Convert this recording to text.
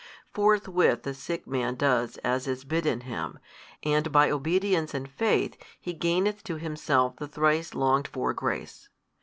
Forthwith the sick man does as is bidden him, and by obedience and faith he gaineth to himself the thrice longed for grace.